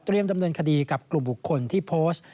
ดำเนินคดีกับกลุ่มบุคคลที่โพสต์